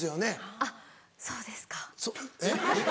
あっそうですか。えっ？